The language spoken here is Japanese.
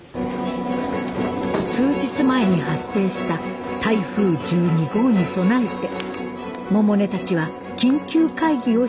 数日前に発生した台風１２号に備えて百音たちは緊急会議を開いていました。